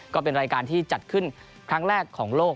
ก็เป็นรายการที่จัดขึ้นครั้งแรกของโลก